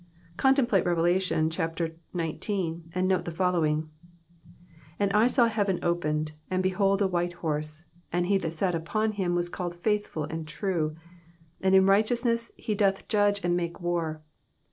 Contemplate Rev. xix. and note the following :—" And I saw heaven opened, and behold a white horse ; and he that sat upon him was called Faithful and True, and in righteousness he doth judge and make war.